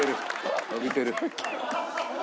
伸びてる。